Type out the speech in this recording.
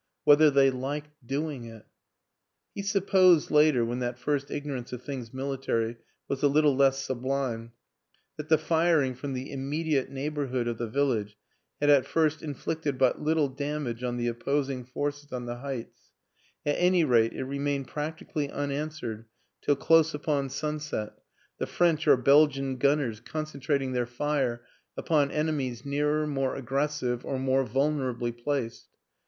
Whether they liked doing it? ... He supposed later (when that first ignorance of things military was a little less sublime) that the firing from the immediate neighborhood of the village had at first inflicted but little damage on the opposing forces on the heights; at any rate it remained practically unanswered till close upon sunset, the French or Belgian gunners concentrat WILLIAM AN ENGLISHMAN 127 ing their fire upon enemies nearer, more aggres sive, or more vulnerably placed.